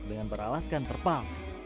dengan beralaskan terpang